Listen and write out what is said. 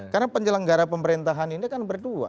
karena penjelanggara pemerintahan ini kan berdua